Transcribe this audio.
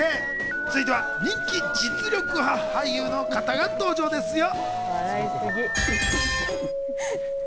続いては人気実力派俳優の方が登場ですよ。